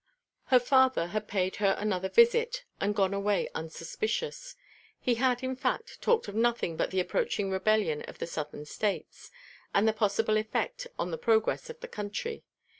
Her father had paid her another visit, and gone away unsuspicious. He had, in fact, talked of nothing but the approaching rebellion of the Southern States, and the possible effect on the progress of the country.